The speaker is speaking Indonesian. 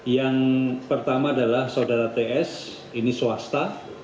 yang pertama adalah saudara ts ini swasta